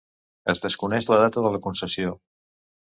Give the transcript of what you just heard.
Es desconeix la data de la concessió.